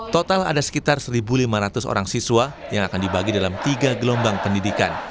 total ada sekitar satu lima ratus orang siswa yang akan dibagi dalam tiga gelombang pendidikan